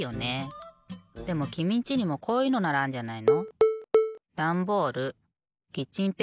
でもきみんちにもこういうのならあんじゃないの？